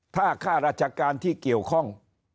ถ้าข้าราชการที่เกี่ยวข้อง